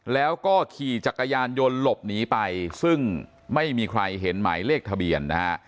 แล้วก็ขี่จักรยานยนต์หลบหนีไปซึ่งไม่มีใครเห็นหมายเลขทะเบียนนะฮะ